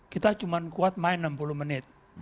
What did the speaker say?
kita cuma kuat main enam puluh menit